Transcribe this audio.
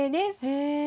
へえ。